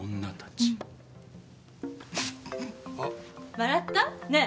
笑った？ねえ。